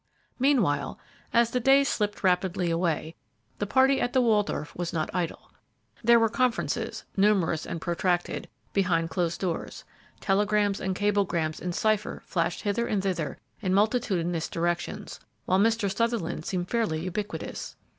Meanwhile, as the days slipped rapidly away, the party at the Waldorf was not idle. There were conferences, numerous and protracted, behind dosed doors, telegrams and cablegrams in cipher flashed hither and thither in multitudinous directions, while Mr. Sutherland seemed fairly ubiquitous.